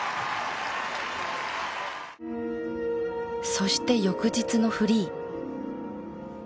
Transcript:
そして翌日のフリー。